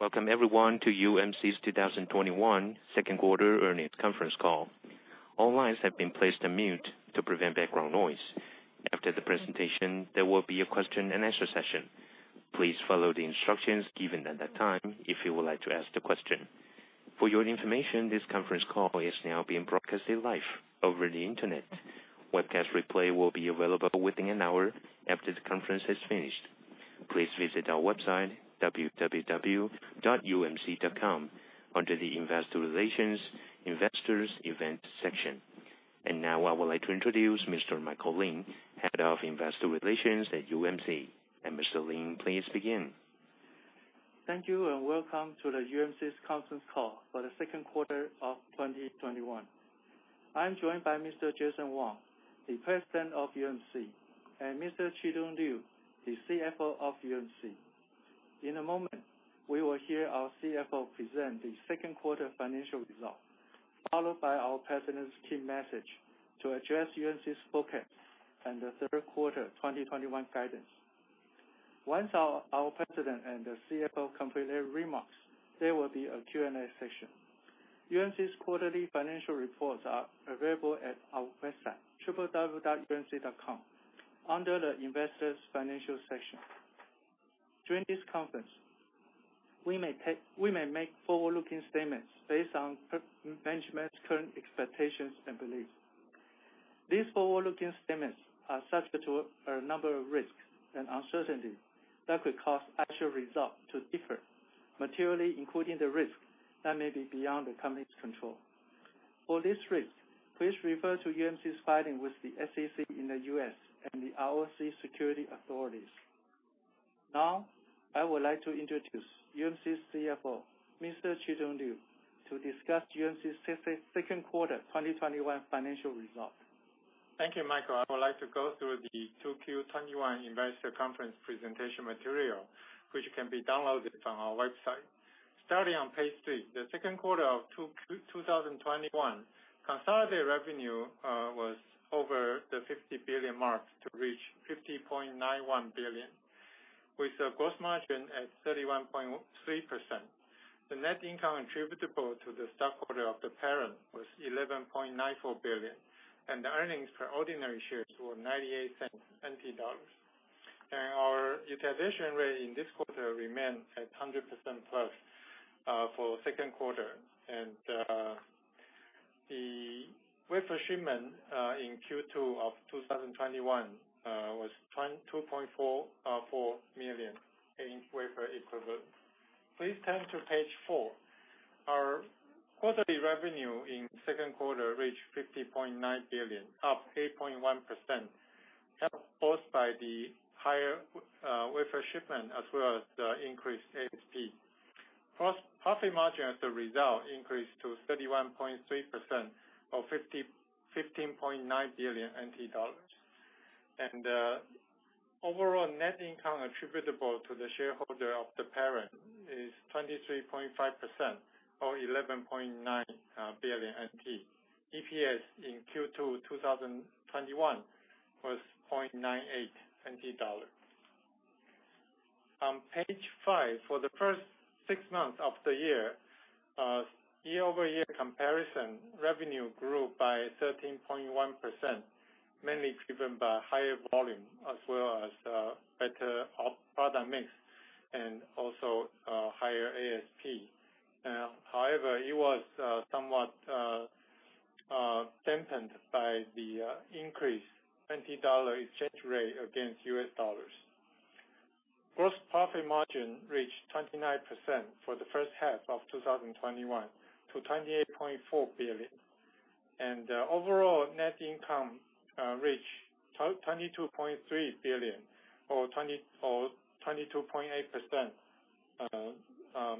Welcome everyone to UMC's 2021 Second Quarter Earnings Conference Call. All lines have been placed on mute to prevent background noise. After the presentation, there will be a question-and-answer session. Please follow the instructions given at that time if you would like to ask a question. For your information, this conference call is now being broadcast live over the internet. Webcast replay will be available within an hour after the conference has finished. Please visit our website, www.umc.com, under the Investor Relations, Investors Events section, and now I would like to introduce Mr. Michael Lin, Head of Investor Relations at UMC. And Mr. Lin, please begin. Thank you and welcome to the UMC's Conference Call for the Second Quarter of 2021. I am joined by Mr. Jason Wang, the President of UMC, and Mr. Chitung Liu, the CFO of UMC. In a moment, we will hear our CFO present the Second Quarter financial result, followed by our President's key message to address UMC's focus and the Third Quarter 2021 guidance. Once our President and the CFO complete their remarks, there will be a Q&A session. UMC's quarterly financial reports are available at our website, www.umc.com, under the Investors Financial section. During this conference, we may make forward-looking statements based on management's current expectations and beliefs. These forward-looking statements are subject to a number of risks and uncertainties that could cause actual results to differ materially including the risks that may be beyond the company's control. For these risks, please refer to UMC's filing with the SEC in the U.S. and the ROC Securities Authorities. Now, I would like to introduce UMC's CFO, Mr. Chitung Liu, to discuss UMC's Second Quarter 2021 financial result. Thank you, Michael. I would like to go through the 2Q21 Investor Conference presentation material, which can be downloaded from our website. Starting on page three, the Second Quarter of 2021, consolidated revenue was over the 50 billion mark to reach 50.91 billion, with a gross margin at 31.3%. The net income attributable to the stockholder of the parent was 11.94 billion, and the earnings per ordinary shares were NT$ 0.98. Our utilization rate in this quarter remained at 100% plus for the second quarter. The wafer shipment in Q2 of 2021 was 2.44 million in wafer equivalent. Please turn to page four. Our quarterly revenue in the second quarter reached 50.9 billion, up 8.1%, helped both by the higher wafer shipment as well as the increased ASP. Profit margin as a result increased to 31.3%, or NT$ 15.9 billion. And overall net income attributable to the shareholder of the parent is 23.5%, or NT$ 11.9 billion. EPS in Q2 2021 was NT$ 0.98. On page five, for the first six months of the year, year-over-year comparison revenue grew by 13.1%, mainly driven by higher volume as well as better product mix and also higher ASP. However, it was somewhat dampened by the increased NT dollar exchange rate against the USD. Gross profit margin reached 29% for the first half of 2021, to 28.4 billion. And overall net income reached 22.3 billion, or 22.8%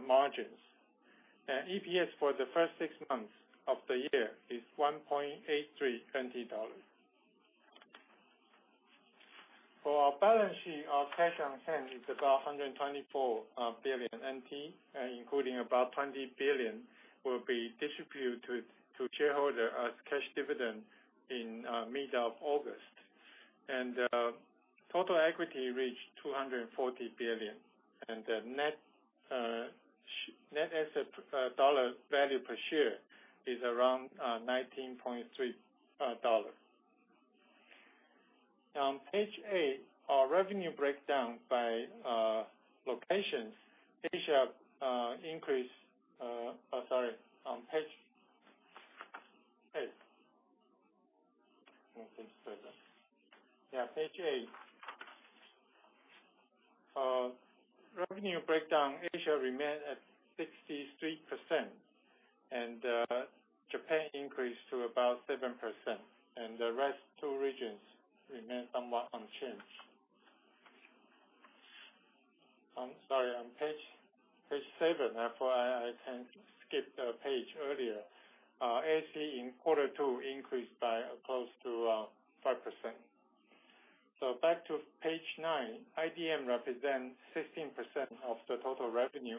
margins. And EPS for the first six months of the year is NT$ 1.83. For our balance sheet, our cash on hand is about 124 billion NT, including about 20 billion will be distributed to shareholders as cash dividend in mid-August. Total equity reached 240 billion. The net asset dollar value per share is around $19.3. On page eight, our revenue breakdown by locations. Sorry, on page eight. Yeah, page eight. Revenue breakdown: Asia remained at 63%, and Japan increased to about 7%. The rest two regions remained somewhat unchanged. Sorry, on page seven, therefore I can skip the page earlier. ASP in quarter two increased by close to 5%. Back to page nine, IDM represents 16% of the total revenue,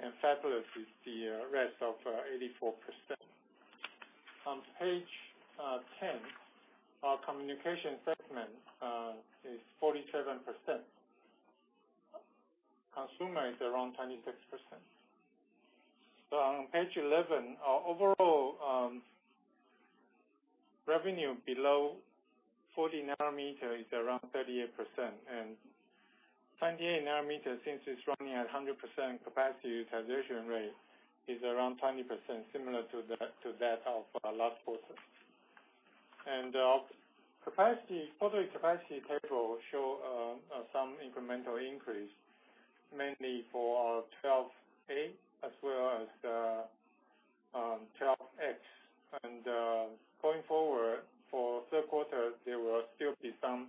and fabless is the rest of 84%. On page ten, our communication segment is 47%. Consumer is around 26%. On page 11, our overall revenue below 40 nm is around 38%. And 28 nm, since it's running at 100% capacity utilization rate, is around 20%, similar to that of last quarter. And the quarterly capacity table shows some incremental increase, mainly for our 12A as well as 12X. And going forward for third quarter, there will still be some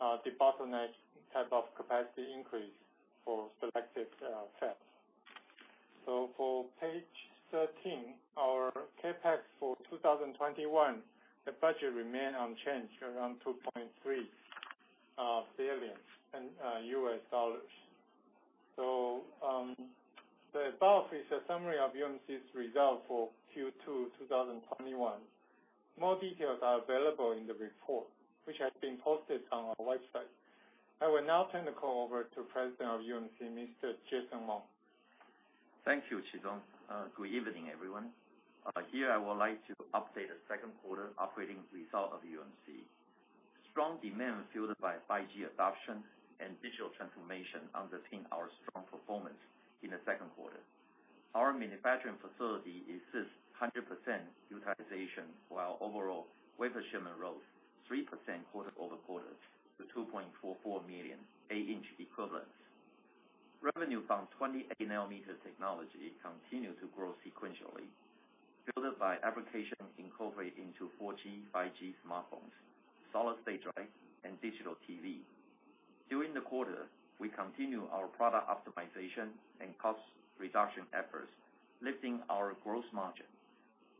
debottlenecking type of capacity increase for selected fabs. So for page 13, our CapEx for 2021, the budget remained unchanged, around $2.3 billion. So the above is a summary of UMC's result for Q2 2021. More details are available in the report, which has been posted on our website. I will now turn the call over to President of UMC, Mr. Jason Wang. Thank you, Chitung. Good evening, everyone. Here I would like to update the second quarter operating result of UMC. Strong demand fueled by 5G adoption and digital transformation underpinned our strong performance in the second quarter. Our manufacturing facility achieved 100% utilization, while overall wafer shipment rose 3% quarter over quarter to 2.44 million equivalents. Revenue from 28 nm technology continued to grow sequentially, fueled by applications incorporated into 4G, 5G smartphones, solid-state drives, and digital TV. During the quarter, we continued our product optimization and cost reduction efforts, lifting our gross margin.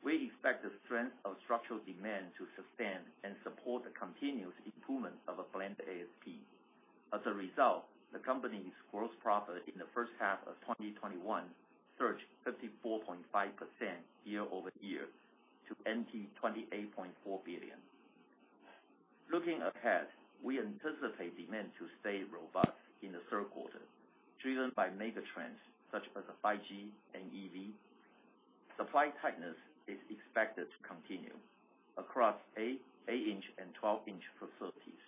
We expect the strength of structural demand to sustain and support the continuous improvement of a blended ASP. As a result, the company's gross profit in the first half of 2021 surged 54.5% year-over-year to NTD 28.4 billion. Looking ahead, we anticipate demand to stay robust in the third quarter, driven by mega trends such as 5G and EV. Supply tightness is expected to continue across 8-inch and 12-inch facilities.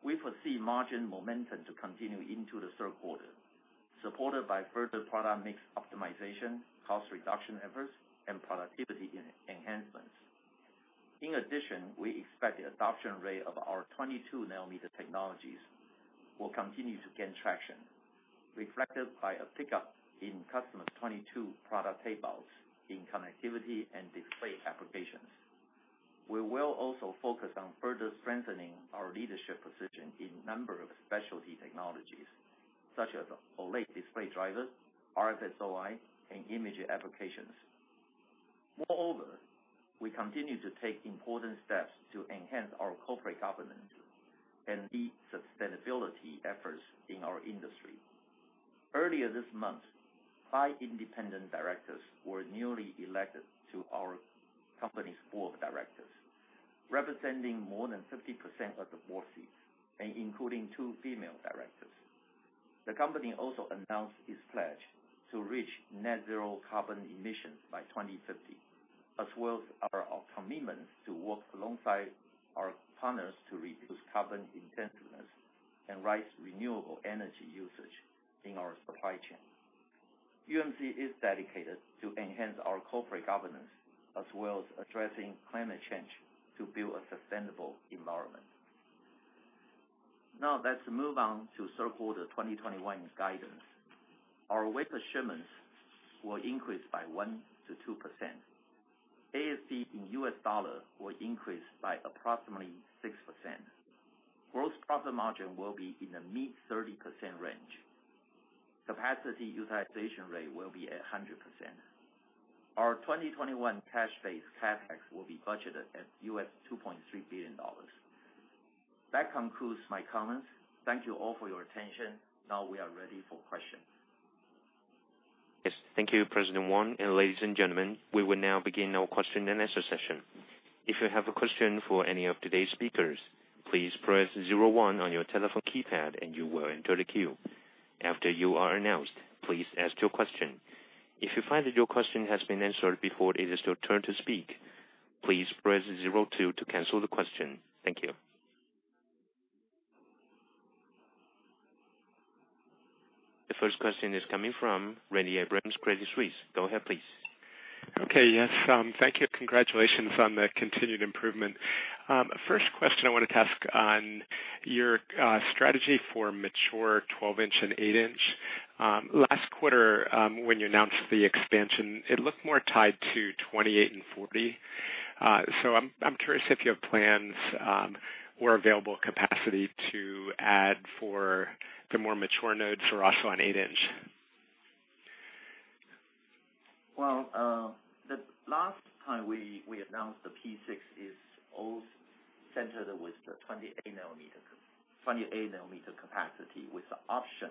We foresee margin momentum to continue into the third quarter, supported by further product mix optimization, cost reduction efforts, and productivity enhancements. In addition, we expect the adoption rate of our 22 nm technologies will continue to gain traction, reflected by a pickup in customer's 22 product tape-outs in connectivity and display applications. We will also focus on further strengthening our leadership position in a number of specialty technologies, such as OLED display drivers, RF-SOI, and image applications. Moreover, we continue to take important steps to enhance our corporate governance and lead sustainability efforts in our industry. Earlier this month, five independent directors were newly elected to our company's board of directors, representing more than 50% of the board seats and including two female directors. The company also announced its pledge to reach net zero carbon emissions by 2050, as well as our commitments to work alongside our partners to reduce carbon intensiveness and raise renewable energy usage in our supply chain. UMC is dedicated to enhance our corporate governance, as well as addressing climate change to build a sustainable environment. Now, let's move on to third quarter 2021 guidance. Our wafer shipments will increase by 1%-2%. ASP in U.S. dollars will increase by approximately 6%. Gross profit margin will be in the mid-30% range. Capacity utilization rate will be at 100%. Our 2021 cash-based CapEx will be budgeted at $2.3 billion. That concludes my comments. Thank you all for your attention. Now we are ready for questions. Yes. Thank you, President Wang. And ladies and gentlemen, we will now begin our question and answer session. If you have a question for any of today's speakers, please press zero one on your telephone keypad and you will enter the queue. After you are announced, please ask your question. If you find that your question has been answered before it is your turn to speak, please press zero two to cancel the question. Thank you. The first question is coming from Randy Abrams, Credit Suisse. Go ahead, please. Okay. Yes. Thank you. Congratulations on the continued improvement. First question I wanted to ask on your strategy for mature 12-inch and 8-inch. Last quarter, when you announced the expansion, it looked more tied to 28 and 40. So I'm curious if you have plans or available capacity to add for the more mature nodes or also on 8-inch? The last time we announced the P6 is all centered with the 28 nm capacity with the option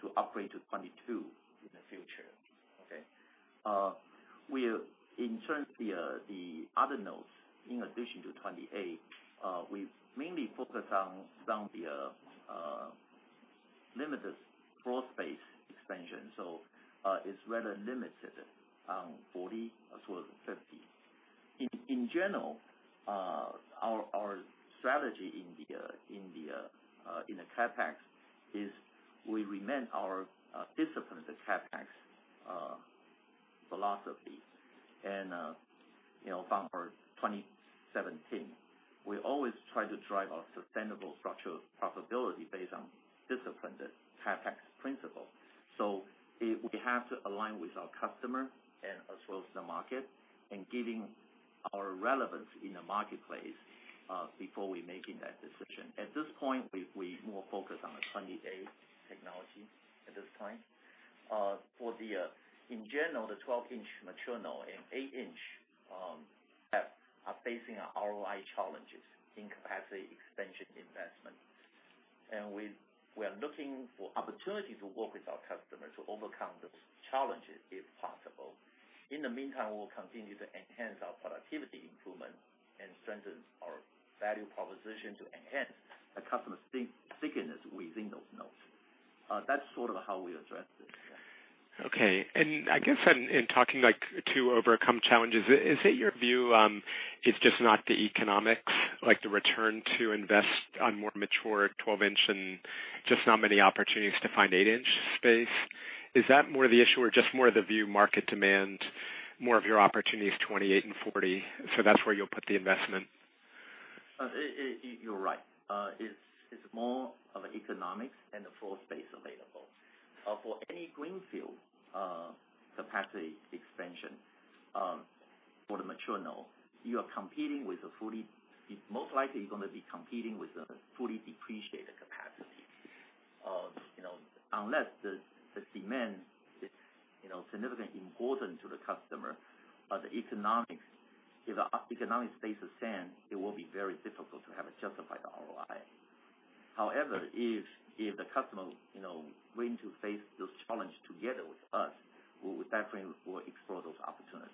to upgrade to 22 in the future. Okay. In terms of the other nodes, in addition to 28, we mainly focus on the limited floor space expansion. So it's rather limited on 40 as well as 50. In general, our strategy in the CapEx is we remain disciplined with the CapEx philosophy. And from our 2017, we always try to drive our sustainable structural profitability based on disciplined CapEx principle. So we have to align with our customer and as well as the market and giving our relevance in the marketplace before we make that decision. At this point, we more focus on the 28 technology at this point. In general, the 12-inch mature node and 8-inch are facing ROI challenges in capacity expansion investment. We are looking for opportunities to work with our customers to overcome those challenges if possible. In the meantime, we will continue to enhance our productivity improvement and strengthen our value proposition to enhance our customer stickiness within those nodes. That's sort of how we address this. Okay, and I guess in talking to overcome challenges, is it your view it's just not the economics, like the return on investment on more mature 12-inch and just not many opportunities to find 8-inch space? Is that more the issue or just more of the view market demand, more of your opportunities 28 and 40? So that's where you'll put the investment? You're right. It's more of economics and the floor space available. For any greenfield capacity expansion for the mature node, most likely you're going to be competing with a fully depreciated capacity. Unless the demand is significantly important to the customer, if the economics stays the same, it will be very difficult to have a justified ROI. However, if the customer willing to face those challenges together with us, we definitely will explore those opportunities.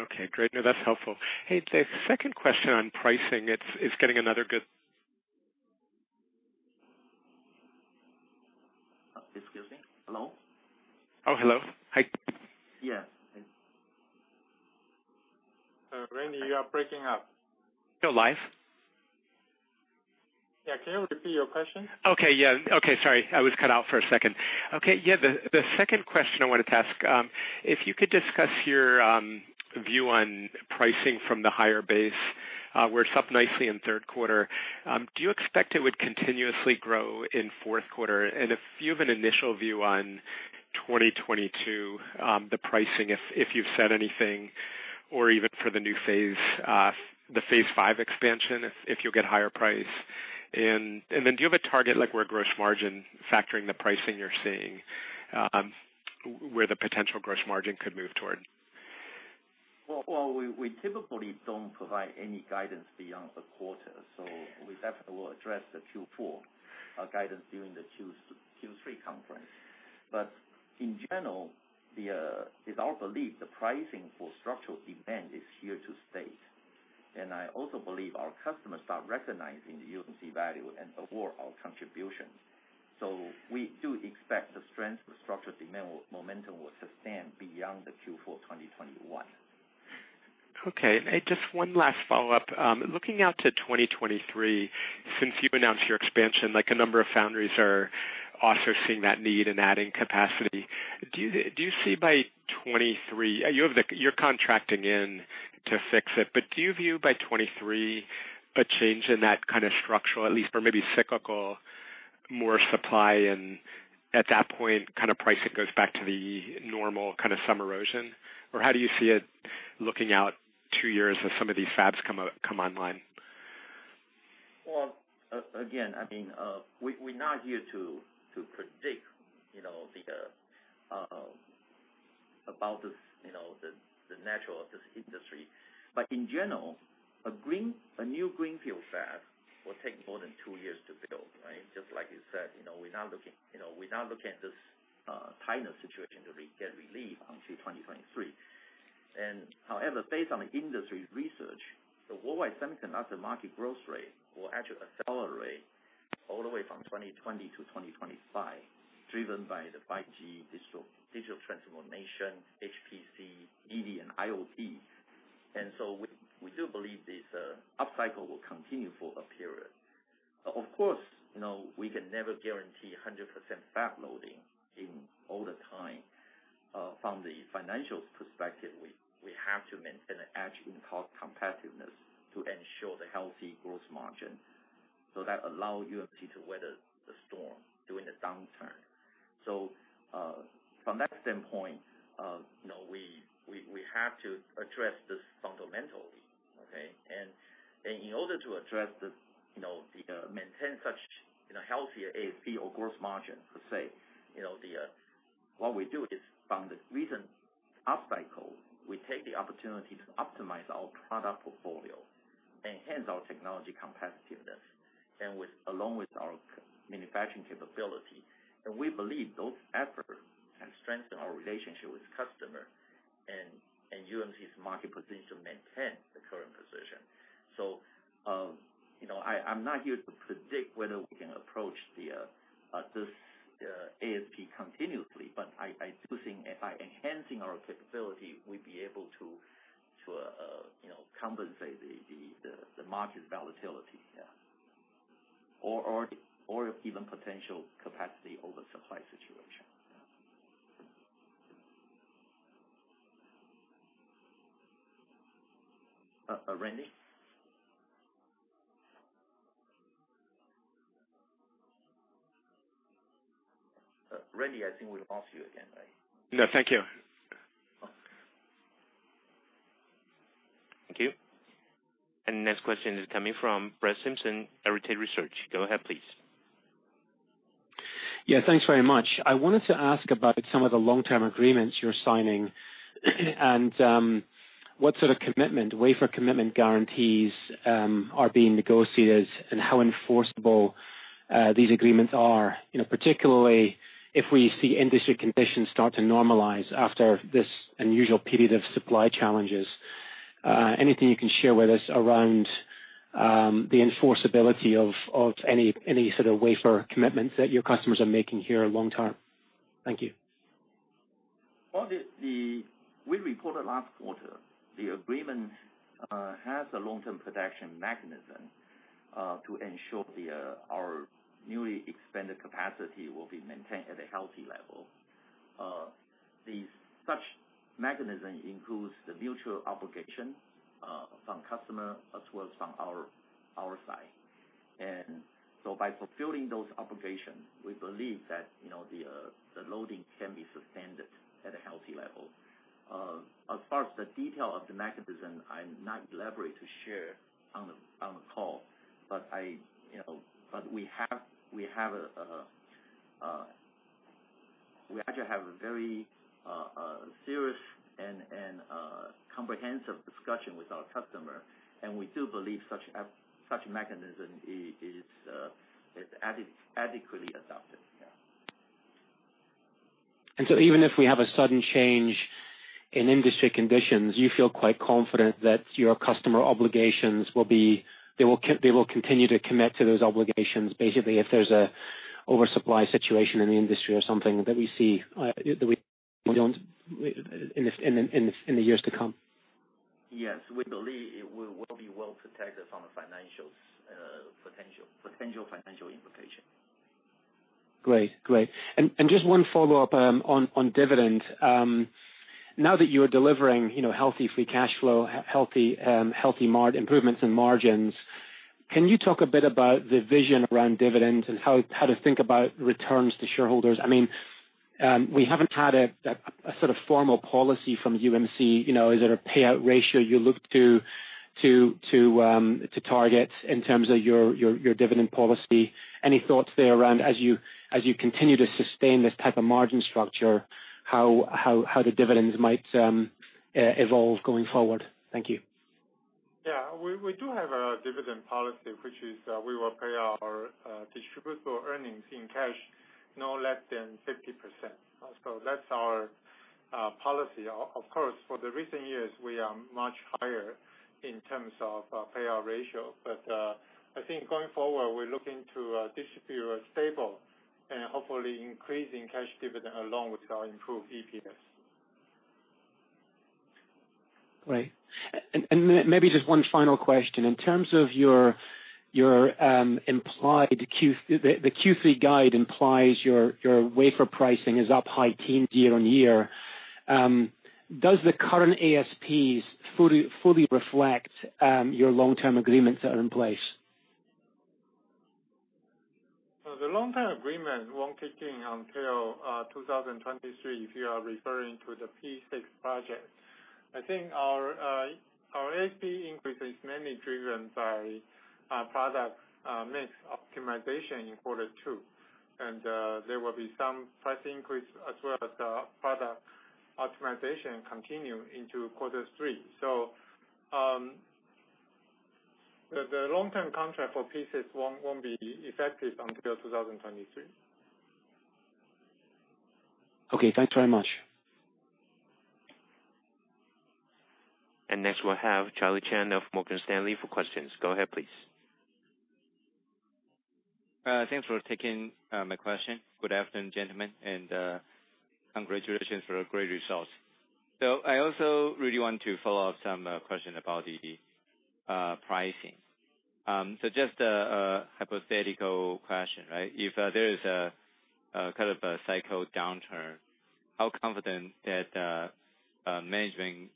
Okay. Great. No, that's helpful. Hey, the second question on pricing is getting another good. Excuse me? Hello? Oh, hello. Hi. Yes. Randy, you are breaking up. Oh, live? Yeah. Can you repeat your question? Okay. Yeah. Okay. Sorry, I was cut out for a second. Okay. Yeah. The second question I wanted to ask, if you could discuss your view on pricing from the higher base, we're up nicely in third quarter. Do you expect it would continuously grow in fourth quarter? And if you have an initial view on 2022, the pricing, if you've said anything, or even for the new phase, the phase five expansion, if you'll get higher price? And then do you have a target like where gross margin factoring the pricing you're seeing, where the potential gross margin could move toward? Well, we typically don't provide any guidance beyond the quarter. So we definitely will address the Q4 guidance during the Q3 conference. But in general, it's our belief the pricing for structural demand is here to stay. And I also believe our customers are recognizing the UMC value and the margin contribution. So we do expect the strength of structural demand momentum will sustain beyond the Q4 2021. Okay. Just one last follow-up. Looking out to 2023, since you announced your expansion, a number of foundries are also seeing that need and adding capacity. Do you see by 2023 you're contracting in to fix it, but do you view by 2023 a change in that kind of structural, at least, or maybe cyclical, more supply? And at that point, kind of pricing goes back to the normal kind of some erosion? Or how do you see it looking out two years as some of these fabs come online? Again, I mean, we're not here to predict about the nature of this industry. In general, a new greenfield fab will take more than two years to build, right? Just like you said, we're not looking at this tightening situation to get relief until 2023. However, based on the industry research, the worldwide semiconductor market growth rate will actually accelerate all the way from 2020 to 2025, driven by the 5G digital transformation, HPC, EV, and IoT. And so we do believe this upcycle will continue for a period. Of course, we can never guarantee 100% fab loading at all times. From the financial perspective, we have to maintain the edge in cost competitiveness to ensure the healthy gross margin. That allows UMC to weather the storm during the downturn. From that standpoint, we have to address this fundamentally, okay? In order to address and maintain such healthy ASP or gross margin, per se, what we do is from the recent upcycle, we take the opportunity to optimize our product portfolio, enhance our technology competitiveness, and along with our manufacturing capability. We believe those efforts can strengthen our relationship with customers and UMC's market position to maintain the current position. I'm not here to predict whether we can approach this ASP continuously, but I do think by enhancing our capability, we'd be able to compensate the market volatility or even potential capacity oversupply situation. Randy? Randy, I think we lost you again, right? No, thank you. Thank you, and the next question is coming from Brett Simpson, Arete Research. Go ahead, please. Yeah. Thanks very much. I wanted to ask about some of the long-term agreements you're signing and what sort of commitment, waiver commitment guarantees are being negotiated and how enforceable these agreements are, particularly if we see industry conditions start to normalize after this unusual period of supply challenges. Anything you can share with us around the enforceability of any sort of waiver commitments that your customers are making here long-term? Thank you. We reported last quarter, the agreement has a long-term production mechanism to ensure our newly expanded capacity will be maintained at a healthy level. Such mechanism includes the mutual obligation from customer as well as from our side, and so by fulfilling those obligations, we believe that the loading can be sustained at a healthy level. As far as the detail of the mechanism, I'm not at liberty to share on the call, but we actually have a very serious and comprehensive discussion with our customer, and we do believe such mechanism is adequately adopted. And so, even if we have a sudden change in industry conditions, you feel quite confident that your customer obligations will be they will continue to commit to those obligations basically if there's an oversupply situation in the industry or something that we see that we don't in the years to come? Yes. We believe it will be well protected from the potential financial implication. Great. Great. And just one follow-up on dividend. Now that you're delivering healthy free cash flow, healthy improvements in margins, can you talk a bit about the vision around dividends and how to think about returns to shareholders? I mean, we haven't had a sort of formal policy from UMC. Is there a payout ratio you look to target in terms of your dividend policy? Any thoughts there around as you continue to sustain this type of margin structure, how the dividends might evolve going forward? Thank you. Yeah. We do have a dividend policy, which is we will pay our distributable earnings in cash no less than 50%. So that's our policy. Of course, for the recent years, we are much higher in terms of payout ratio. But I think going forward, we're looking to distribute a stable and hopefully increasing cash dividend along with our improved EPS. Great. And maybe just one final question. In terms of your implied Q3 guide implies your wafer pricing is up high teens year on year. Does the current ASPs fully reflect your long-term agreements that are in place? The long-term agreement won't kick in until 2023 if you are referring to the P6 project. I think our ASP increase is mainly driven by product mix optimization in quarter two. And there will be some price increase as well as product optimization continue into quarter three. So the long-term contract for P6 won't be effective until 2023. Okay. Thanks very much. Next, we'll have Charlie Chan of Morgan Stanley for questions. Go ahead, please. Thanks for taking my question. Good afternoon, gentlemen, and congratulations for great results. So I also really want to follow up some questions about the pricing. So just a hypothetical question, right? If there is a kind of a cycle downturn, how confident that management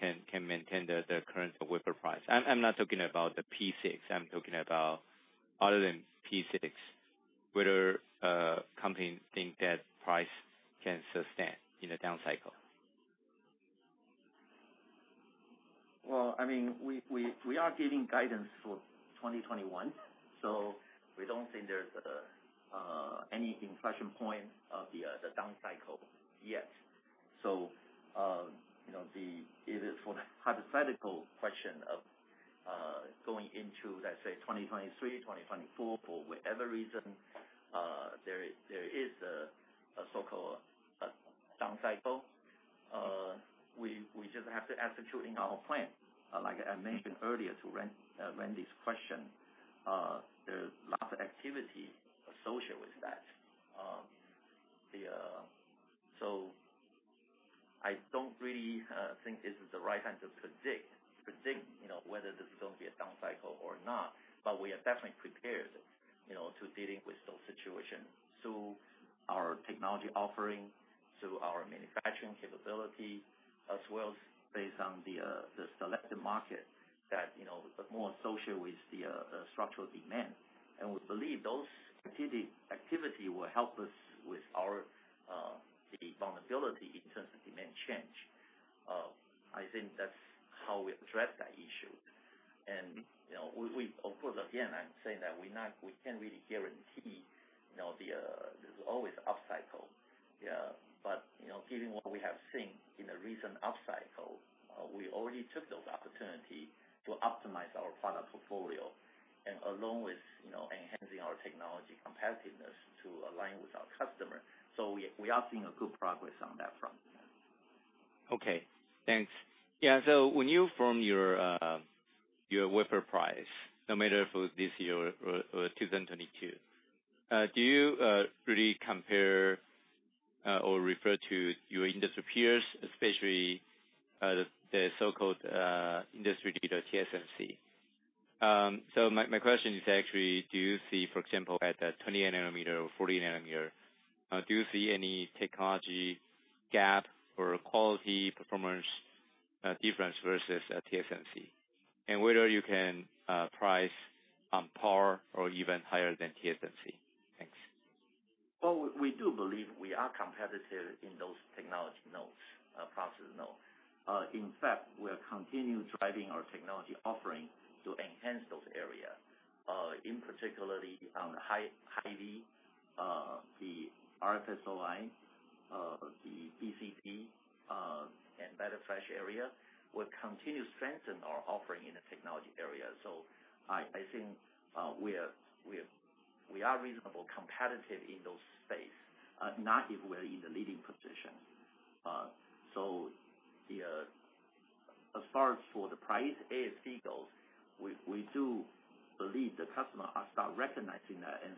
can maintain the current wafer price? I'm not talking about the P6. I'm talking about other than P6. Whether companies think that price can sustain in a down cycle? I mean, we are getting guidance for 2021. So we don't think there's any inflection point of the down cycle yet. So for the hypothetical question of going into, let's say, 2023, 2024, for whatever reason, there is a so-called down cycle. We just have to execute in our plan. Like I mentioned earlier to Randy's question, there's lots of activity associated with that. So I don't really think it's the right time to predict whether this is going to be a down cycle or not, but we are definitely prepared to deal with those situations. So our technology offering, so our manufacturing capability, as well as based on the selected market that is more associated with the structural demand, and we believe those activities will help us with the vulnerability in terms of demand change. I think that's how we address that issue. Of course, again, I'm saying that we can't really guarantee there's always upcycle. Given what we have seen in the recent upcycle, we already took those opportunities to optimize our product portfolio and along with enhancing our technology competitiveness to align with our customer. We are seeing good progress on that front. Okay. Thanks. Yeah. So when you form your wafer price, no matter for this year or 2022, do you really compare or refer to your industry peers, especially the so-called industry leader TSMC? So my question is actually, do you see, for example, at the 28 nm or 40 nm, do you see any technology gap or quality performance difference versus TSMC? And whether you can price on par or even higher than TSMC? Thanks. We do believe we are competitive in those technology processes. In fact, we are continuing to drive our technology offering to enhance those areas, in particular on the HV, the RF-SOI, the BCD, and embedded flash area. We'll continue to strengthen our offering in the technology area. I think we are reasonably competitive in those spaces, not if we're in the leading position. As far as for the price ASP goes, we do believe the customer starts recognizing that and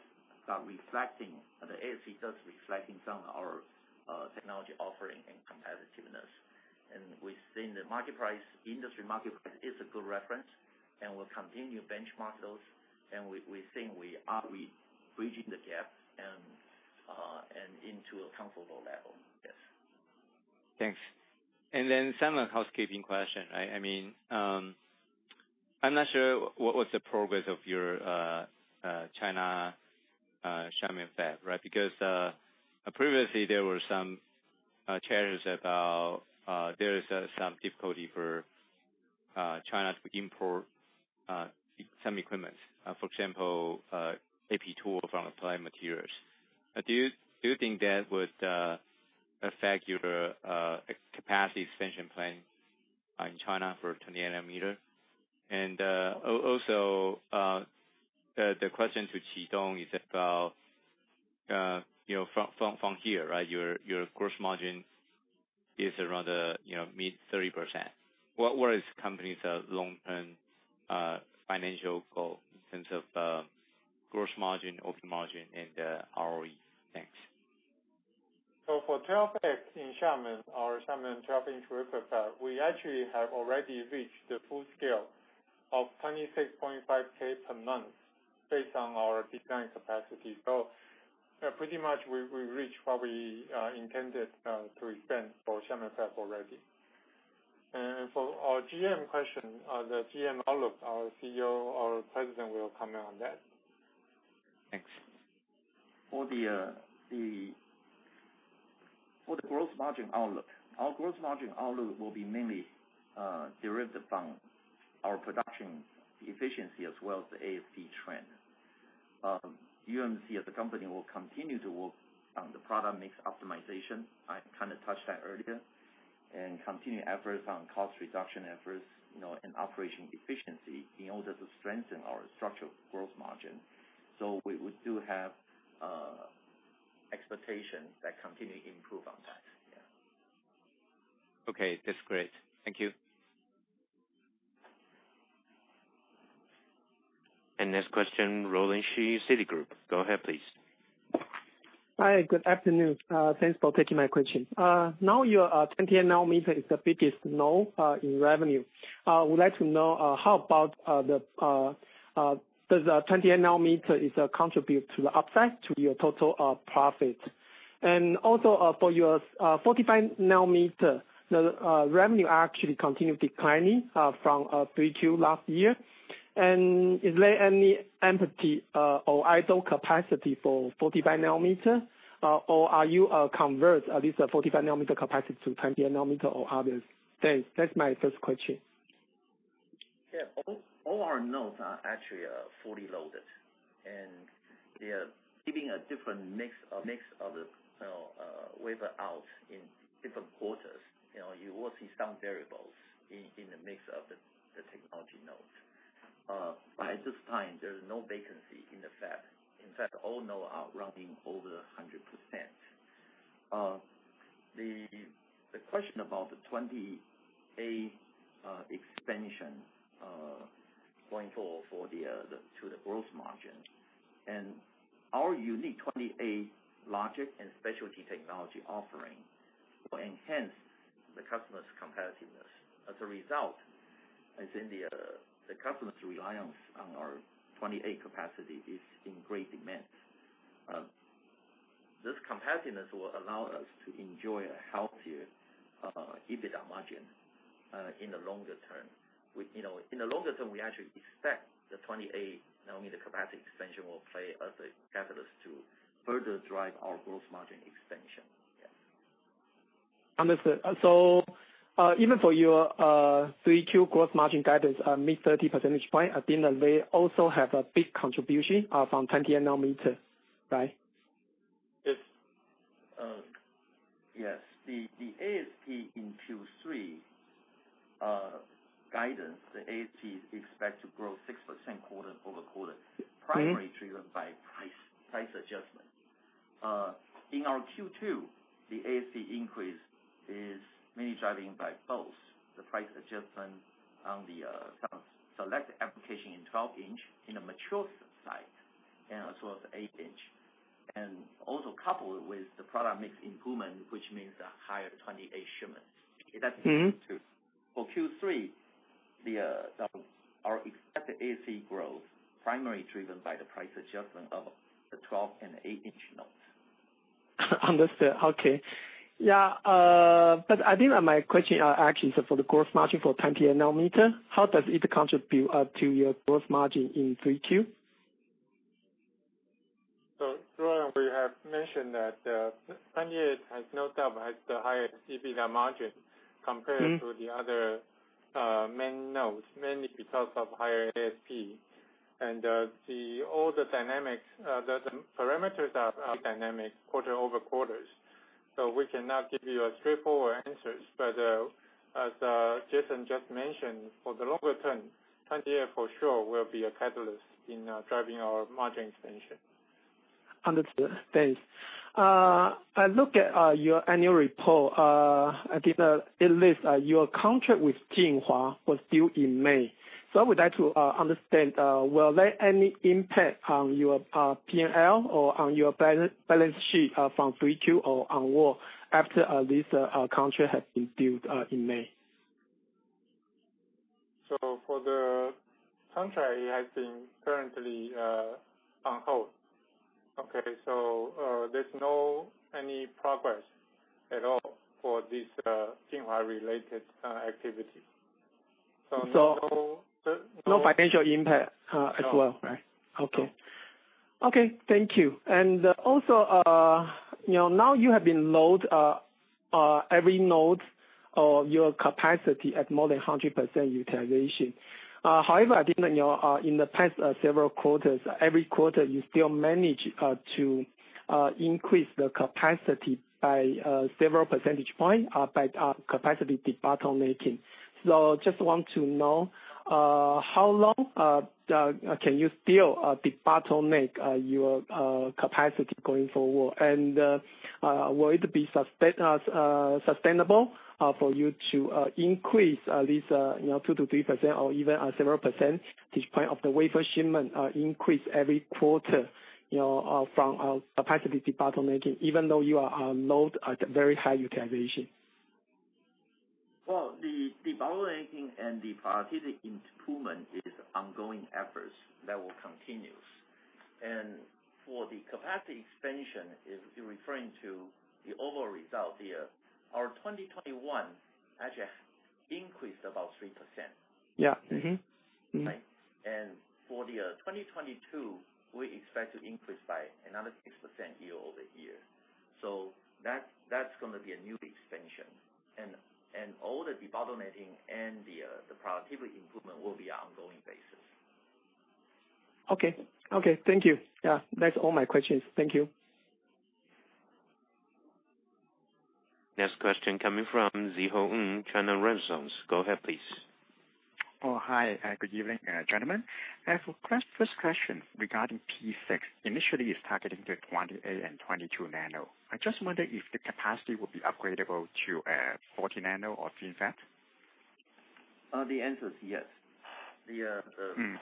start reflecting. The ASP does reflect some of our technology offering and competitiveness. We've seen the industry market price is a good reference, and we'll continue to benchmark those. We think we are bridging the gap and into a comfortable level. Yes. Thanks. And then some housekeeping question, right? I mean, I'm not sure what was the progress of your China Xiamen Fab, right? Because previously, there were some challenges about there is some difficulty for China to import some equipment, for example, Applied Materials tool from Applied Materials. Do you think that would affect your capacity expansion plan in China for 28 nm? And also, the question to Chitung is about from here, right? Your gross margin is around the mid-30%. What is company's long-term financial goal in terms of gross margin, operating margin, and ROE? Thanks. For Fab 12X and Xiamen, our Xiamen Fab 12X, we actually have already reached the full scale of 26.5K per month based on our design capacity. Pretty much we reached what we intended to expand for Xiamen Fab already. For our GM question, the GM outlook, our CEO, our President will comment on that. Thanks. For the gross margin outlook, our gross margin outlook will be mainly derived from our production efficiency as well as the ASP trend. UMC, as a company, will continue to work on the product mix optimization. I kind of touched that earlier, and continue efforts on cost reduction efforts and operation efficiency in order to strengthen our structural gross margin, so we do have expectations that continue to improve on that. Yeah. Okay. That's great. Thank you. And next question, Roland Shu, Citigroup. Go ahead, please. Hi. Good afternoon. Thanks for taking my question. Now, your 28 nm is the biggest node in revenue. I would like to know how the 28 nm contributes to the upside to your total profit. And also for your 45 nm, the revenue actually continued declining from 3Q last year. And is there any empty or idle capacity for 45 nm? Or are you converting at least the 45 nm capacity to 28 nm or others? Thanks. That's my first question. Yeah. All our nodes are actually fully loaded, and they're giving a different mix. Mix of the wafer out in different quarters. You will see some variation in the mix of the technology nodes. By this time, there is no vacancy in the fab. In fact, all nodes are running over 100%. The question about the 28-nm expansion going forward to the gross margin. Our unique 28-nm logic and specialty technology offering will enhance the customer's competitiveness. As a result, I think the customer's reliance on our 28-nm capacity is in great demand. This competitiveness will allow us to enjoy a healthier EBITDA margin in the longer term. In the longer term, we actually expect the 28-nm nm capacity expansion will play as a catalyst to further drive our gross margin expansion. Understood. So even for your 3Q gross margin guidance, mid-30 percentage points, I think that they also have a big contribution from 20-nm, right? Yes. The ASP in Q3 guidance, the ASP is expected to grow 6% quarter over quarter, primarily driven by price adjustment. In our Q2, the ASP increase is mainly driven by both the price adjustment on the selected application in 12-inch in the mature site and as well as 8-inch, and also coupled with the product mix improvement, which means a higher 28 nm shipment. That's Q2. For Q3, our expected ASP growth is primarily driven by the price adjustment of the 12- and 8-inch nodes. Understood. Okay. Yeah. But I think my question actually is for the gross margin for 20-nm. How does it contribute to your gross margin in 3Q? We have mentioned that 28 nm has no doubt the highest EBITDA margin compared to the other main nodes, mainly because of higher ASP, and all the dynamics, the parameters are dynamic quarter over quarter, so we cannot give you a straightforward answer, but as Jason just mentioned, for the longer term, 28 nm for sure will be a catalyst in driving our margin expansion. Understood. Thanks. I look at your annual report. I think at least your contract with Jinhua was due in May. So I would like to understand, will there be any impact on your P&L or on your balance sheet from 3Q or onward after this contract has been due in May? So for the contract, it has been currently on hold. Okay. So there's no any progress at all for this Jinhua-related activity. So no. So no financial impact as well, right? Okay. Okay. Thank you. And also, now you have been loading every node or your capacity at more than 100% utilization. However, I think that in the past several quarters, every quarter, you still managed to increase the capacity by several percentage points by capacity debottlenecking. So I just want to know how long can you still debottleneck your capacity going forward? And will it be sustainable for you to increase at least 2% to 3% or even several percentage points of the wafer shipment increase every quarter from capacity debottlenecking, even though you are loaded at very high utilization? The debottlenecking and the capacity improvement is ongoing efforts that will continue. For the capacity expansion, if you're referring to the overall result here, our 2021 actually increased about 3%. Yeah. Right? And for the 2022, we expect to increase by another 6% year over year. So that's going to be a new expansion. And all the debottlenecking and the productivity improvement will be on an ongoing basis. Okay. Thank you. Yeah. That's all my questions. Thank you. Next question coming from Szeho Ng, China Renaissance. Go ahead, please. Oh, hi. Good evening, gentlemen. First question regarding P6. Initially, it's targeting to 28 nm and 22 nano. I just wonder if the capacity will be upgradable to 40 nano or 14? The answer is yes.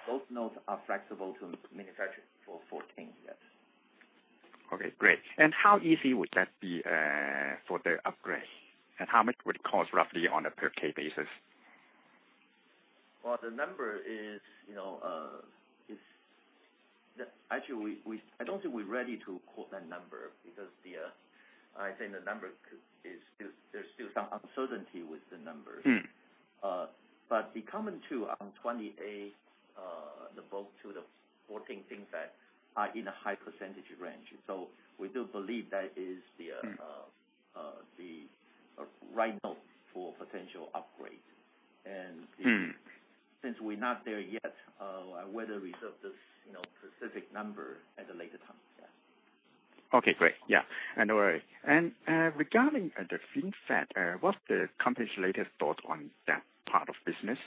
Both nodes are flexible to manufacture for 14. Yes. Okay. Great. And how easy would that be for the upgrade? And how much would it cost roughly on a per-k basis? The number is actually. I don't think we're ready to quote that number because I think the number is. There's still some uncertainty with the numbers. But the common two on 28 nm, the bulk to the 14 things that are in a high percentage range. So we do believe that is the right node for potential upgrade. And since we're not there yet, I'd rather reserve this specific number at a later time. Yeah. Okay. Great. Yeah. No worries. And regarding the FinFET, what's the company's latest thought on that part of business?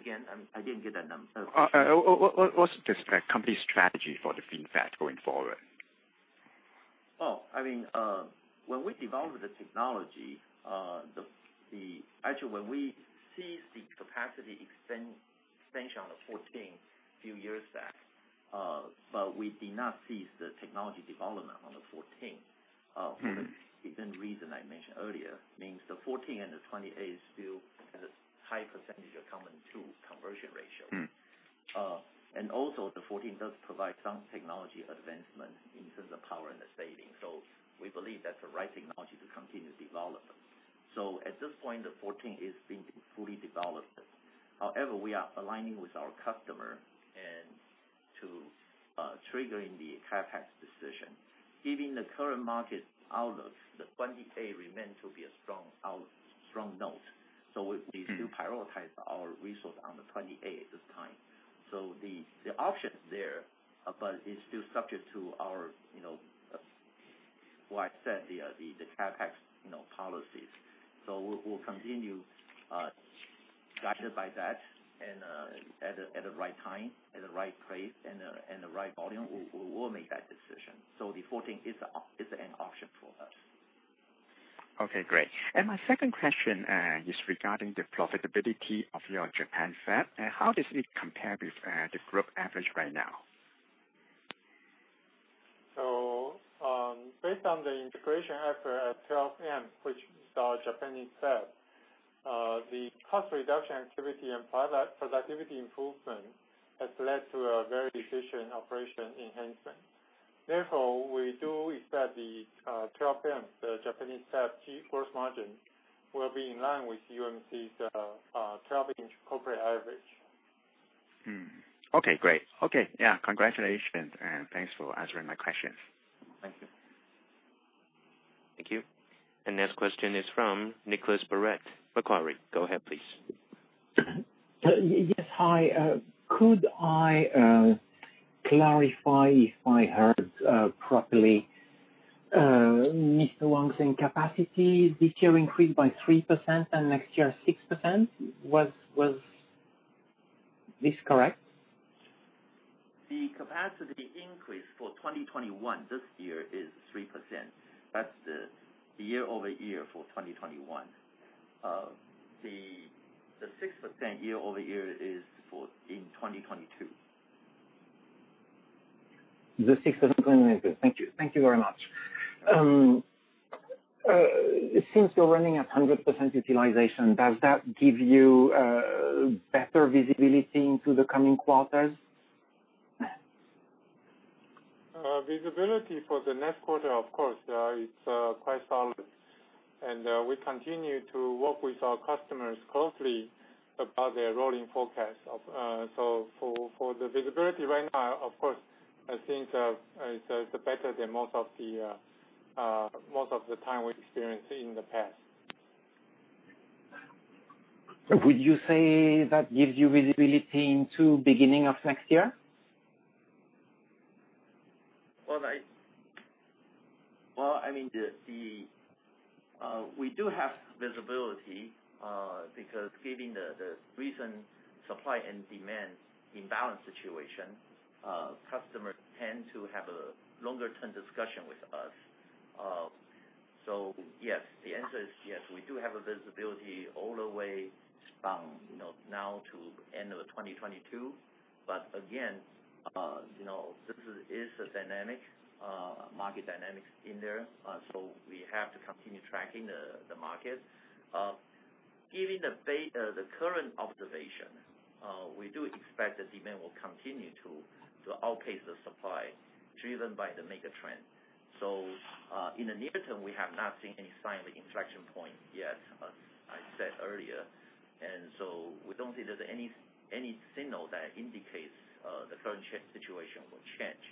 Again, I didn't get that number. What's the company's strategy for the FinFET going forward? Oh, I mean, when we developed the technology, actually, when we ceased the capacity expansion on the 14 a few years back, but we did not cease the technology development on the 14 for the reason I mentioned earlier. Meaning the 14 and the 28 nm still have a high percentage of common tool conversion ratio. And also, the 14 does provide some technology advancement in terms of power saving. So we believe that's the right technology to continue developing. So at this point, the 14 is being fully developed. However, we are aligning with our customers and triggering the CapEx decision. Given the current market outlook, the 28 nm remains to be a strong node. So we still prioritize our resources on the 28 nm at this time. So the options there, but it's still subject to our, what I said, the CapEx policies. So we'll continue guided by that and at the right time, at the right place, and the right volume, we'll make that decision. So the 14 is an option for us. Okay. Great. And my second question is regarding the profitability of your Japan fab. And how does it compare with the group average right now? So based on the integration effort at 12M, which is our Japanese fab, the cost reduction activity and productivity improvement has led to a very efficient operation enhancement. Therefore, we do expect the 12M, the Japanese fab gross margin, will be in line with UMC's 12-inch corporate average. Okay. Great. Okay. Yeah. Congratulations. And thanks for answering my questions. Thank you. Thank you. And next question is from Nicolas Baratte. Macquarie, go ahead, please. Yes. Hi. Could I clarify if I heard properly? Mr. Wang said capacity this year increased by 3% and next year 6%. Was this correct? The capacity increase for 2021 this year is 3%. That's the year-over-year for 2021. The 6% year-over-year is in 2022. The 6% year-over-year. Thank you. Thank you very much. Since you're running at 100% utilization, does that give you better visibility into the coming quarters? Visibility for the next quarter, of course, it's quite solid. And we continue to work with our customers closely about their rolling forecast. So for the visibility right now, of course, I think it's better than most of the time we experienced in the past. Would you say that gives you visibility into beginning of next year? Well, I mean, we do have visibility because given the recent supply and demand imbalance situation, customers tend to have a longer-term discussion with us. So yes, the answer is yes. We do have visibility all the way from now to the end of 2022. But again, this is a market dynamic in there. So we have to continue tracking the market. Given the current observation, we do expect the demand will continue to outpace the supply driven by the mega trend. So in the near term, we have not seen any sign of inflection point yet, as I said earlier. And so we don't see there's any signal that indicates the current situation will change.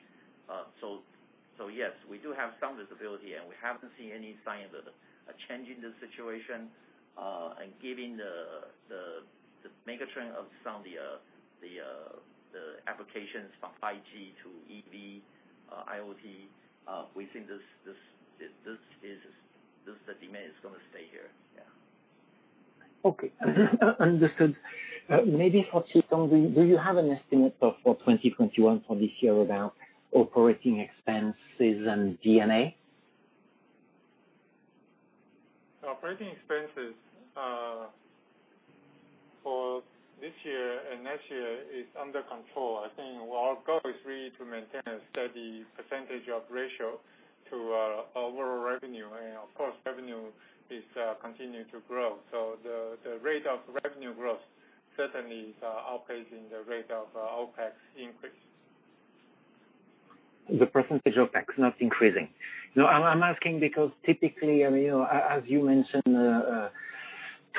So yes, we do have some visibility, and we haven't seen any sign of a change in the situation. Given the mega trend of some of the applications from 5G to EV, IoT, we think this is the demand is going to stay here. Yeah. Okay. Understood. Maybe for Q2, do you have an estimate for 2021 for this year about operating expenses and D&A? So operating expenses for this year and next year is under control. I think our goal is really to maintain a steady percentage of ratio to our overall revenue. And of course, revenue is continuing to grow. So the rate of revenue growth certainly is outpacing the rate of OpEx increase. The percentage of OpEx not increasing. I'm asking because typically, as you mentioned,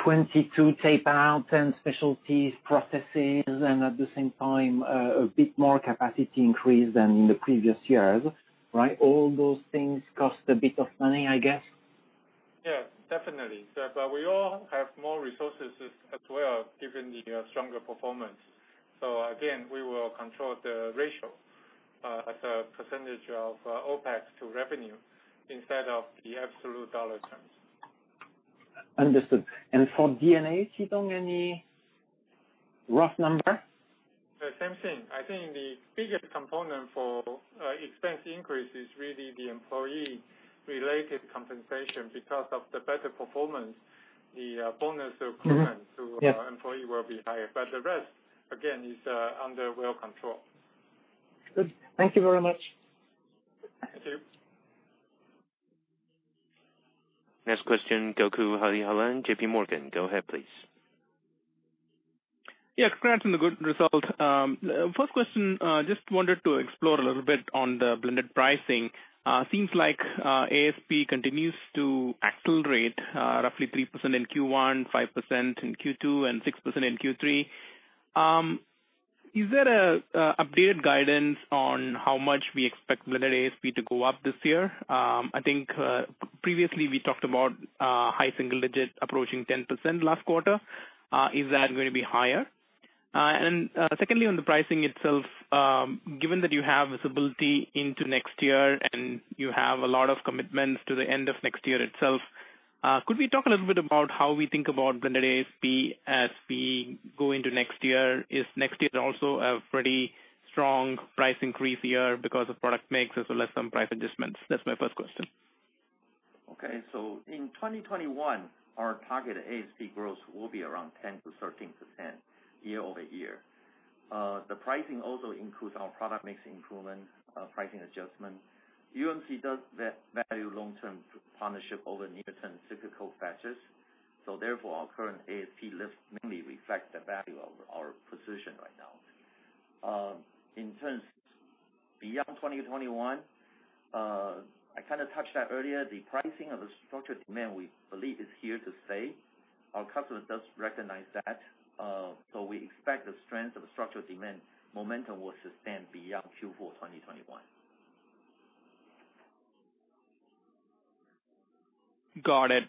22 tape-out and specialty processes, and at the same time, a bit more capacity increase than in the previous years, right? All those things cost a bit of money, I guess? Yeah. Definitely. But we all have more resources as well given the stronger performance. So again, we will control the ratio as a percentage of OpEx to revenue instead of the absolute dollar terms. Understood. And for D&A, Chitung, any rough number? The same thing. I think the biggest component for expense increase is really the employee-related compensation because of the better performance. The bonus equivalent to employee will be higher. But the rest, again, is well under control. Good. Thank you very much. Thank you. Next question, Gokul Hariharan, JPMorgan. Go ahead, please. Yeah. Congrats on the good result. First question, just wanted to explore a little bit on the blended pricing. Seems like ASP continues to accelerate roughly 3% in Q1, 5% in Q2, and 6% in Q3. Is there an updated guidance on how much we expect blended ASP to go up this year? I think previously we talked about high single-digit approaching 10% last quarter. Is that going to be higher? And secondly, on the pricing itself, given that you have visibility into next year and you have a lot of commitments to the end of next year itself, could we talk a little bit about how we think about blended ASP as we go into next year? Is next year also a pretty strong price increase year because of product mix as well as some price adjustments? That's my first question. Okay. So in 2021, our target ASP growth will be around 10%-13% year-over-year. The pricing also includes our product mix improvement, pricing adjustment. UMC does value long-term partnership over near-term cyclical factors. So therefore, our current ASP lift mainly reflects the value of our position right now. In terms beyond 2021, I kind of touched that earlier. The pricing of the structural demand, we believe, is here to stay. Our customer does recognize that. So we expect the strength of the structural demand momentum will sustain beyond Q4 2021. Got it.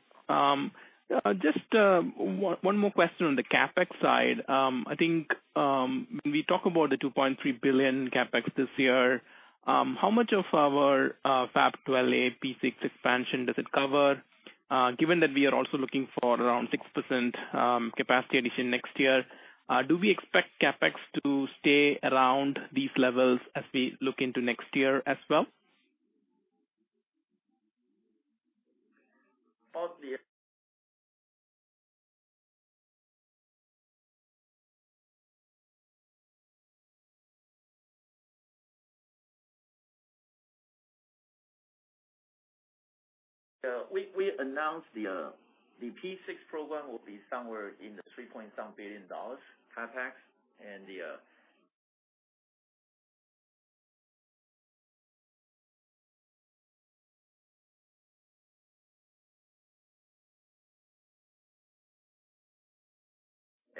Just one more question on the CapEx side. I think when we talk about the NT$ 2.3 billion CapEx this year, how much of our Fab 12A, P6 expansion does it cover? Given that we are also looking for around 6% capacity addition next year, do we expect CapEx to stay around these levels as we look into next year as well? Probably. Yeah. We announced the P6 program will be somewhere in the 3.7 billion CapEx.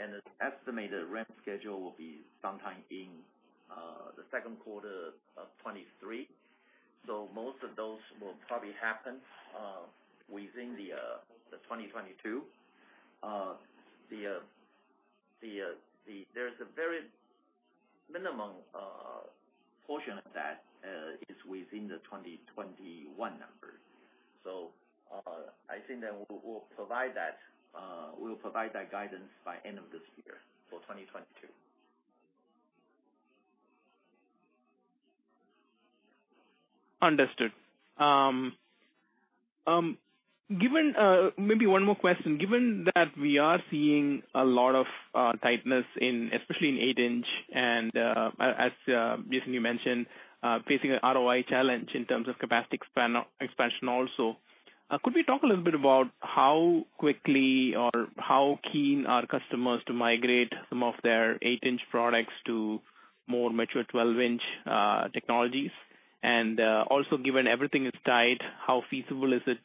And the estimated ramp schedule will be sometime in the second quarter of 2023. So most of those will probably happen within 2022. There's a very minimum portion of that is within the 2021 number. So I think that we'll provide that. We'll provide that guidance by end of this year for 2022. Understood. Maybe one more question. Given that we are seeing a lot of tightness, especially in 8-inch, and as you mentioned, Jason, facing an ROI challenge in terms of capacity expansion also, could we talk a little bit about how quickly or how keen are customers to migrate some of their 8-inch products to more mature 12-inch technologies? Also, given everything is tight, how feasible is it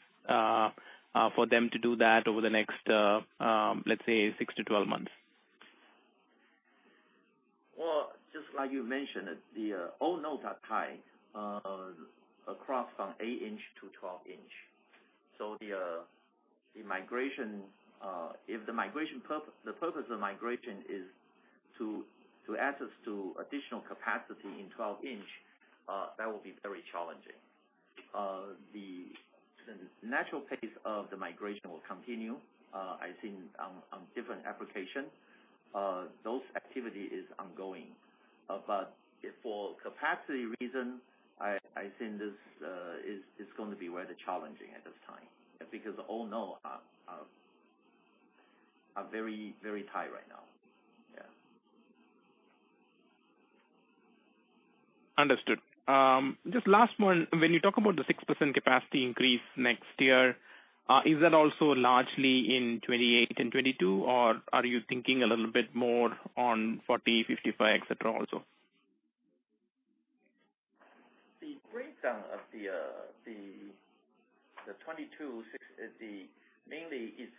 for them to do that over the next, let's say, 6-12 months? Just like you mentioned, the old nodes are tight across from 8-inch to 12-inch. So if the purpose of the migration is to add to additional capacity in 12-inch, that will be very challenging. The natural pace of the migration will continue. I think on different applications, those activities are ongoing. But for capacity reason, I think this is going to be rather challenging at this time because all nodes are very, very tight right now. Understood. Just last one. When you talk about the 6% capacity increase next year, is that also largely in 28 and 22, or are you thinking a little bit more on 40, 55, etc., also? The rate of the 22, mainly, is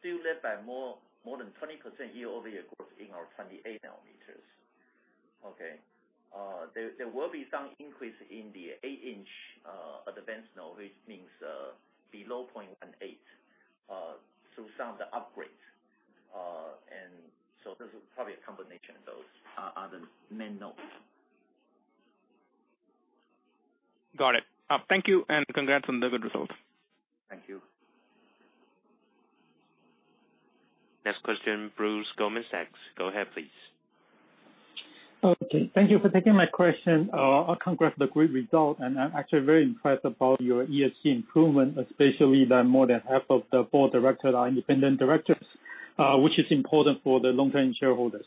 still led by more than 20% year-over-year growth in our 28 nms. Okay. There will be some increase in the 8-inch advanced node, which means below 0.18 through some of the upgrades, and so this is probably a combination of those are the main nodes. Got it. Thank you. And congrats on the good result. Thank you. Next question, Bruce Lu, Goldman Sachs. Go ahead, please. Okay. Thank you for taking my question. Congrats on the great result. And I'm actually very impressed about your ESG improvement, especially that more than half of the board directors are independent directors, which is important for the long-term shareholders.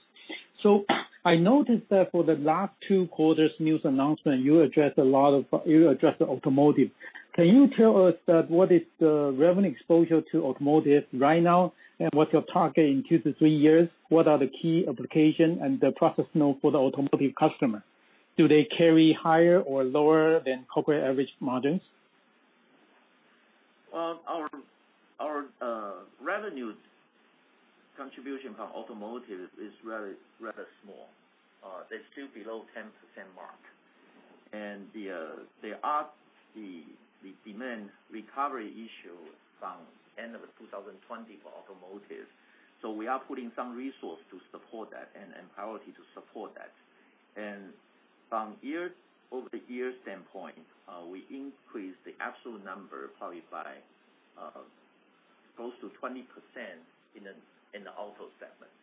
So I noticed that for the last two quarters' news announcement, you addressed a lot of automotive. Can you tell us what is the revenue exposure to automotive right now, and what's your target in two-to-three years? What are the key applications and the process nodes for the automotive customers? Do they carry higher or lower than corporate average margins? Our revenue contribution for automotive is rather small. They're still below 10% mark, and they asked the demand recovery issue from the end of 2020 for automotive, so we are putting some resources to support that and priority to support that. And from year-over-year standpoint, we increased the absolute number probably by close to 20% in the auto segment,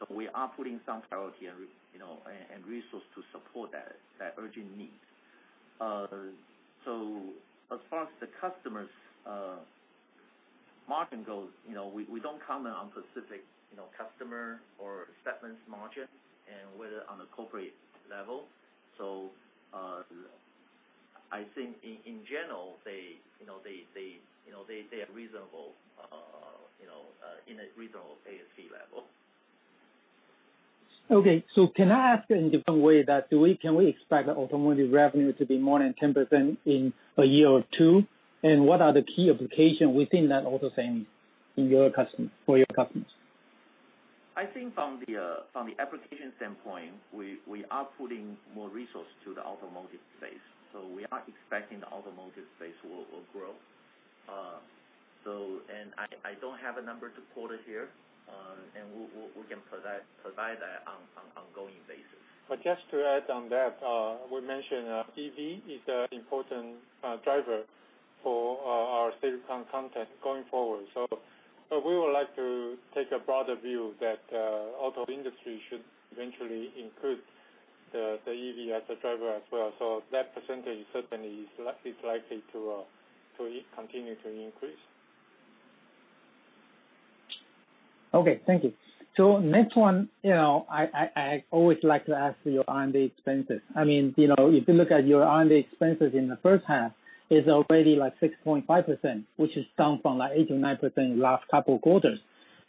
so we are putting some priority and resources to support that urgent need. So as far as the customer's margin goes, we don't comment on specific customer or segments' margin and whether on a corporate level, so I think in general, they are reasonable in a reasonable ASP level. Okay. So, can I ask in a different way that can we expect automotive revenue to be more than 10% in a year or two? And what are the key applications within that auto segment for your customers? I think from the application standpoint, we are putting more resources to the automotive space. So we are expecting the automotive space will grow. And I don't have a number to quote it here. And we can provide that on an ongoing basis. Just to add on that, we mentioned EV is an important driver for our Silicon content going forward. So we would like to take a broader view that the auto industry should eventually include the EV as a driver as well. So that percentage certainly is likely to continue to increase. Okay. Thank you. So next one, I always like to ask your R&D expenses. I mean, if you look at your R&D expenses in the first half, it's already like 6.5%, which is down from 8%-9% in the last couple of quarters.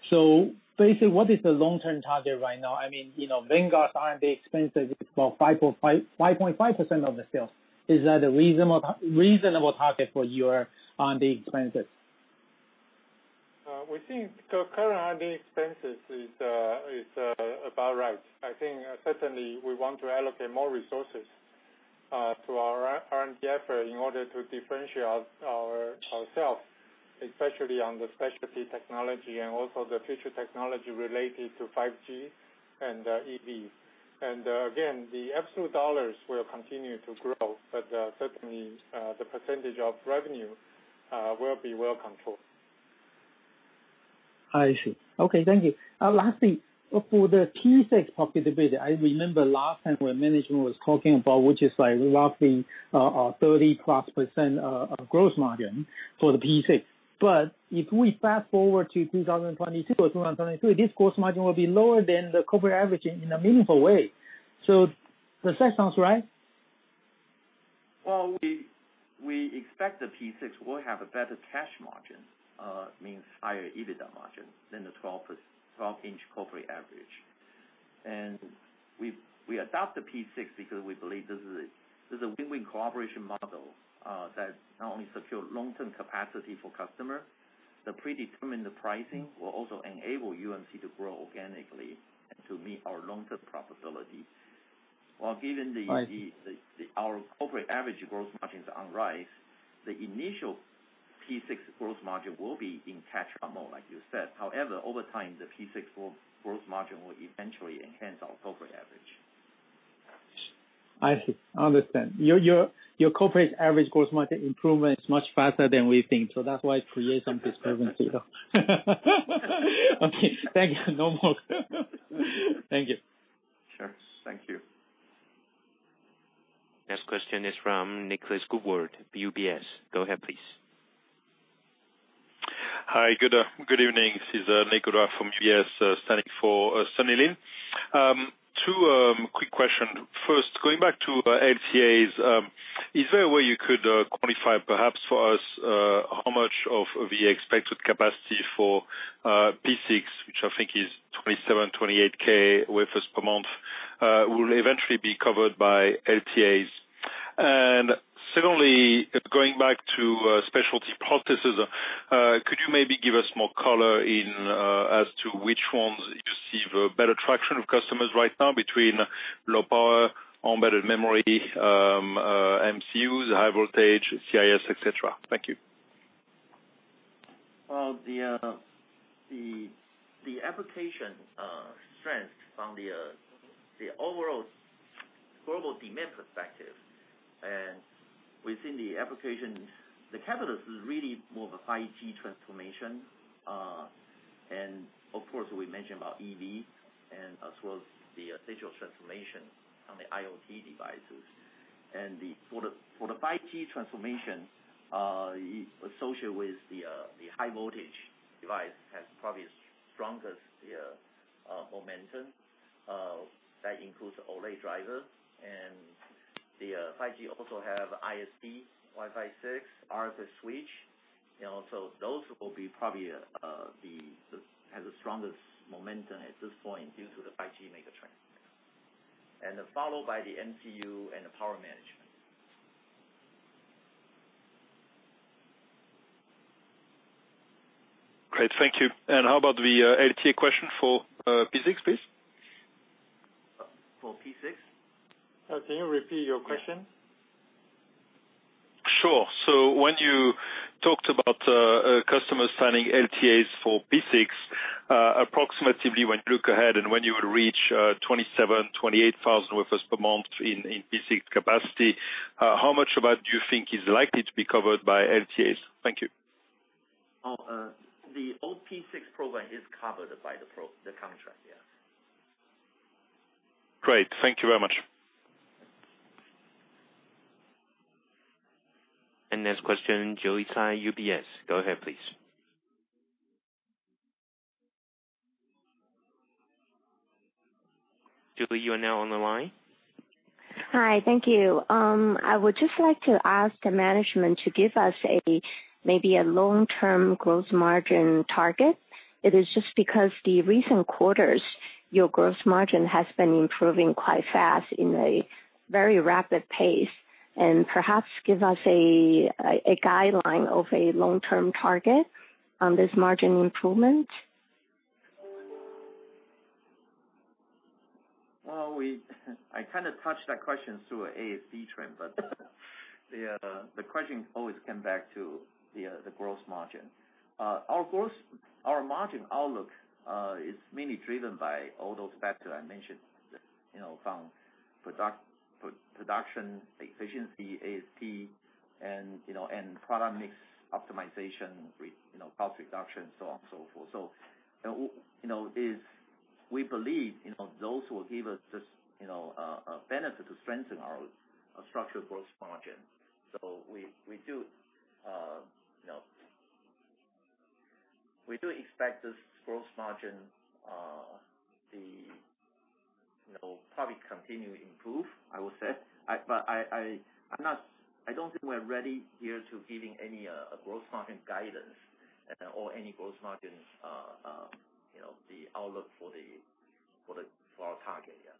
So basically, what is the long-term target right now? I mean, Vanguard's R&D expenses is about 5.5% of the sales. Is that a reasonable target for your R&D expenses? We think current R&D expenses is about right. I think certainly we want to allocate more resources to our R&D effort in order to differentiate ourselves, especially on the specialty technology and also the future technology related to 5G and EV. And again, the absolute dollars will continue to grow, but certainly the percentage of revenue will be well controlled. I see. Okay. Thank you. Lastly, for the P6 profitability, I remember last time when management was talking about, which is roughly 30-plus% gross margin for the P6. But if we fast forward to 2022 or 2023, this gross margin will be lower than the corporate average in a meaningful way. So does that sound right? We expect the P6 will have a better gross margin, meaning higher EBITDA margin than the 12-inch corporate average. And we adopt the P6 because we believe this is a win-win cooperation model that not only secures long-term capacity for customers. The predetermined pricing will also enable UMC to grow organically and to meet our long-term profitability. Given our corporate average gross margins are on the rise, the initial P6 gross margin will be in catch-up mode, like you said. However, over time, the P6 gross margin will eventually enhance our corporate average. I see. Understood. Your corporate average gross margin improvement is much faster than we think. So that's why it creates some discrepancy. Okay. Thank you. No more. Thank you. Sure. Thank you. Next question is from Nicolas Gaudois, UBS. Go ahead, please. Hi. Good evening. This is Nicolas from UBS, standing for Sunny Lin. Two quick questions. First, going back to LTAs, is there a way you could quantify perhaps for us how much of the expected capacity for P6, which I think is 27, 28K wafers per month, will eventually be covered by LTAs? And secondly, going back to specialty processes, could you maybe give us more color as to which ones you see the better traction of customers right now between low-power embedded memory MCUs, HV, CIS, etc.? Thank you. The application strength from the overall global demand perspective and within the application, the capital is really more of a 5G transformation, and of course, we mentioned about EVs and as well as the digital transformation on the IoT devices, and for the 5G transformation, associated with the HV device has probably the strongest momentum. That includes OLED drivers, and the 5G also has ISP, Wi-Fi 6, RF switch, so those will be probably the strongest momentum at this point due to the 5G megatrend, and followed by the MCU and the power management. Great. Thank you. And how about the LTA question for P6, please? For P6? Can you repeat your question? Sure. So when you talked about customers signing LTAs for P6, approximately when you look ahead and when you would reach 27-28 thousand wafers per month in P6 capacity, how much about do you think is likely to be covered by LTAs? Thank you. The old P6 program is covered by the contract, yes. Great. Thank you very much. Next question, Julie Tsai, UBS. Go ahead, please. Julie, you are now on the line. Hi. Thank you. I would just like to ask the management to give us maybe a long-term gross margin target. It is just because the recent quarters, your gross margin has been improving quite fast in a very rapid pace. And perhaps give us a guideline of a long-term target on this margin improvement. I kind of touched that question through an ASP trend, but the question always comes back to the gross margin. Our margin outlook is mainly driven by all those factors I mentioned from production efficiency, ASP, and product mix optimization, cost reduction, so on and so forth. So we believe those will give us just a benefit to strengthen our structured gross margin. So we do expect this gross margin to probably continue to improve, I would say. But I don't think we're ready here to give any gross margin guidance or any gross margin outlook for our target, yeah.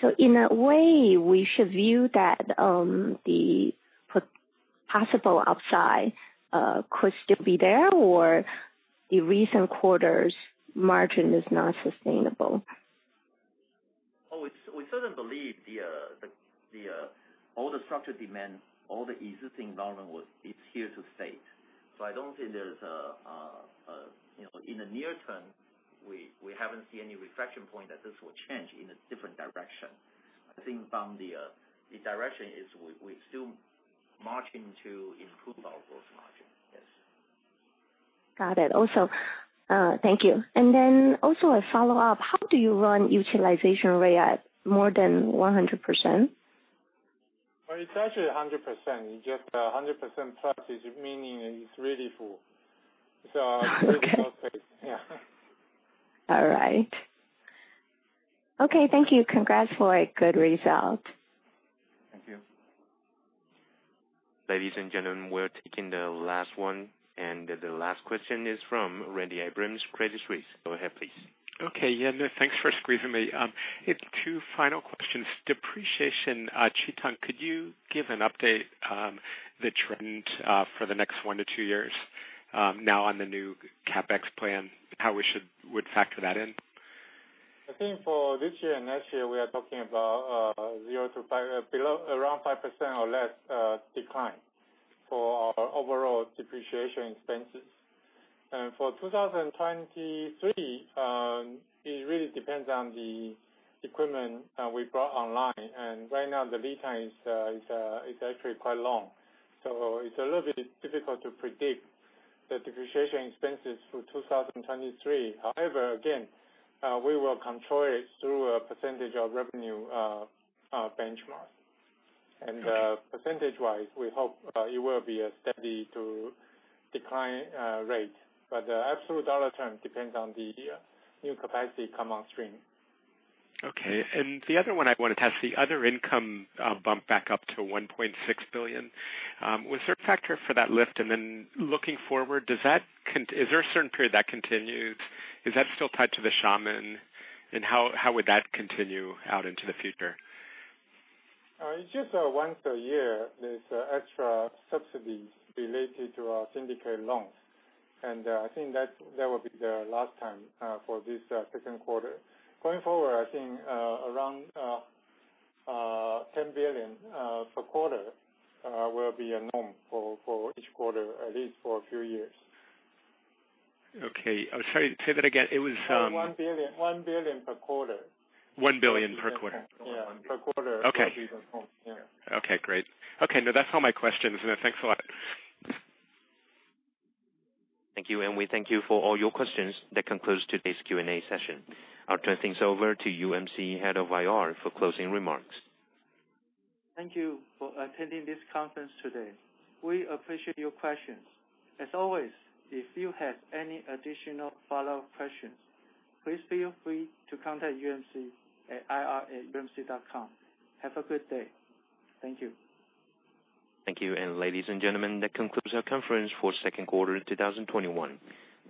So in a way, we should view that the possible upside could still be there or the recent quarter's margin is not sustainable? Oh, we certainly believe all the structured demand, all the existing environment is here to stay. So I don't think there's, in the near term, we haven't seen any inflection point that this will change in a different direction. I think the direction is we still marching to improve our gross margin. Yes. Got it. Thank you. And then also a follow-up. How do you run utilization rate at more than 100%? It's actually 100%. Just 100% plus is meaning it's really full. So in most cases, yeah. All right. Okay. Thank you. Congrats for a good result. Thank you. Ladies and gentlemen, we're taking the last one. And the last question is from Randy Abrams, Credit Suisse. Go ahead, please. Okay. Yeah. Thanks for squeezing me. Two final questions. Chi-Tung, could you give an update on the depreciation trend for the next one to two years now on the new CapEx plan, how we should factor that in? I think for this year and next year, we are talking about around 5% or less decline for our overall depreciation expenses, and for 2023 it really depends on the equipment we brought online, and right now the lead time is actually quite long, so it's a little bit difficult to predict the depreciation expenses for 2023. However, again, we will control it through a percentage of revenue benchmark, and percentage-wise we hope it will be a steady decline rate, but the absolute dollar term depends on the new capacity come on stream. Okay. And the other one I want to ask, the other income bumped back up to 1.6 billion. Was there a factor for that lift? And then looking forward, is there a certain level that continues? Is that still tied to the Xiamen? And how would that continue out into the future? Just once a year, there's extra subsidies related to our syndicated loans. And I think that will be the last time for this second quarter. Going forward, I think around 10 billion per quarter will be a norm for each quarter, at least for a few years. Okay. Say that again. It was. 1 billion per quarter. 1 billion per quarter. Yeah. Per quarter would be the norm. Yeah. Okay. Great. Okay. No, that's all my questions, and thanks a lot. Thank you. And we thank you for all your questions. That concludes today's Q&A session. I'll turn things over to UMC Head of IR for closing remarks. Thank you for attending this conference today. We appreciate your questions. As always, if you have any additional follow-up questions, please feel free to contact UMC at ir@umc.com. Have a good day. Thank you. Thank you, and ladies and gentlemen, that concludes our conference for the second quarter of 2021.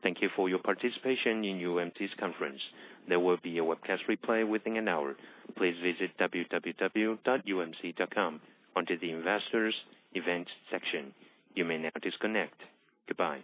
Thank you for your participation in UMC's conference. There will be a webcast replay within an hour. Please visit www.umc.com. Enter the investors' event section. You may now disconnect. Goodbye.